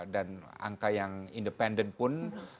dan angka yang independen pun